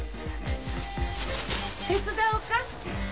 手伝おうか？